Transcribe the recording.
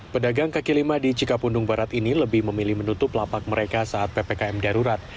pada hari ini pedagang kk lima di cikapundung barat ini lebih memilih menutup lapak mereka saat ppkm darurat